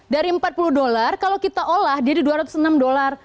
dari empat puluh dolar kalau kita olah jadi dua ratus enam dolar